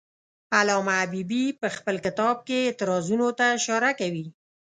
علامه حبیبي په خپل کتاب کې اعتراضونو ته اشاره کوي.